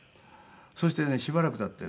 そしてねしばらく経ってね。